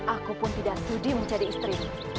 aku pun tidak sudi menjadi istri